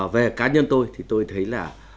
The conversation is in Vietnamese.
về cá nhân tôi thì tôi thấy là